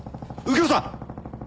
右京さん！